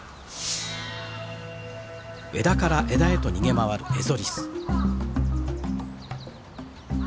枝から枝へと逃げ回るエゾリス。